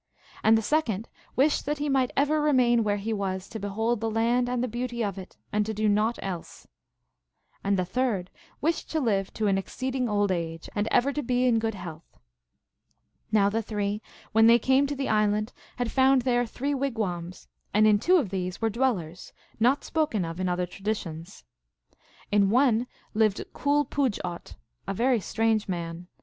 1 And the second wished that he might ever remain where he was to behold the land and the beauty of it, and to do naught else. And the third wished to live to an exceeding old age, and ever to be in good Leitlth. Now the three, when they came to the island, had found there three wigwams, and in two of these were dwellers, not spoken of in other traditions. In one lived Cool puj ot, a very strange man.